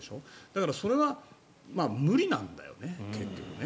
だからそれは無理なんだよね結局ね。